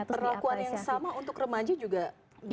perlakuan yang sama untuk remaja juga bisa